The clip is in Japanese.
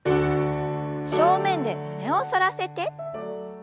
正面で胸を反らせて。